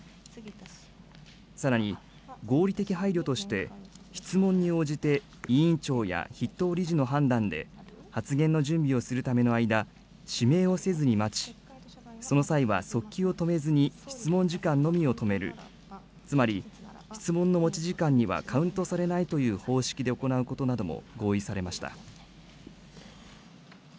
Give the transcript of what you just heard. さらに、合理的配慮として、質問に応じて委員長や筆頭理事の判断で、発言の準備をするための間、指名をせずに待ち、その際は速記を止めずに、質問時間のみを止める、つまり、質問の持ち時間にはカウントされないという方式で行うことなども合意されました。